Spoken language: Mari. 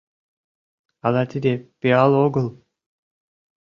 Але тиде пиал огыл?..